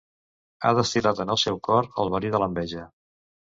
Ha destil·lat en el seu cor el verí de l'enveja.